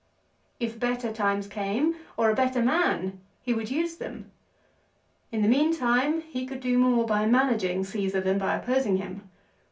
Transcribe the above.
If better times came, or a better man, he would use them. In the meantime he could do more by managing Caesar, than by opposing him.